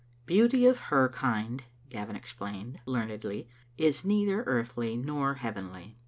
"Beauty of her kind," Gavin explained learnedly, "is neither earthly nor heavenly."